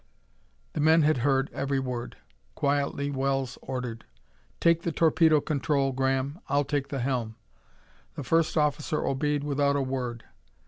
The men had heard every word. Quietly Wells ordered: "Take the torpedo control, Graham. I'll take the helm." The first officer obeyed without a word.